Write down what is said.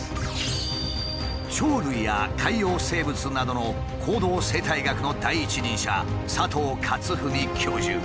鳥類や海洋生物などの行動生態学の第一人者